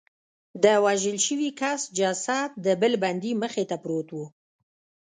د وژل شوي کس جسد د بل بندي مخې ته پروت و